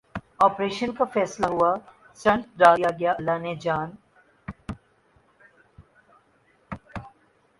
operation کا فیصلہ ہوا سٹنٹ ڈال دیا گیا اللہ نے جان